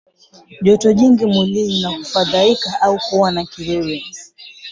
Joto jingi mwilini na kufadhaika au kuwa na kiwewe